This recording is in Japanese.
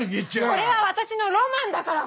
これは私のロマンだから！